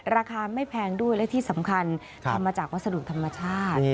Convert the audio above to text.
ราคาไม่แพงด้วยและที่สำคัญทำมาจากวัสดุธรรมชาติ